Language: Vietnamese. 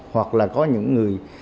hoặc là có những người